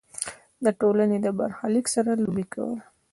د ټولنې له برخلیک سره لوبې کول.